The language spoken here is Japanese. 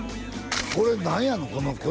これ何やの？